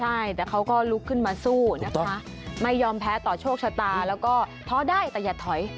ใช่แต่เขาก็ลุกขึ้นมาสู้นะคะไม่ยอมแพ้ต่อโชคชะตาแล้วก็ท้อได้แต่อย่าถอย